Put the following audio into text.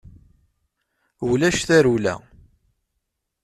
Ulac tarewla.